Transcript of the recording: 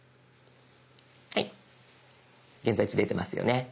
はい現在地出てますよね。